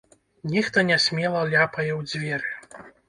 Нехта нясмела ляпае ў дзверы.